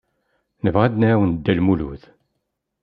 Nebɣa ad nɛawen Dda Lmulud.